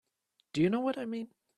Do you know what I mean?